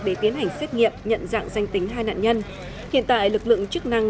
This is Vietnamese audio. để tiến hành xét nghiệm nhận dạng danh tính hai nạn nhân hiện tại lực lượng chức năng